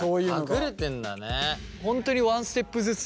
隠れてんだね。